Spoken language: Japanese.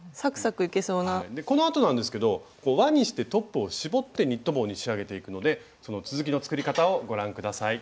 このあとなんですけど輪にしてトップを絞ってニット帽に仕上げていくのでその続きの作り方をご覧下さい。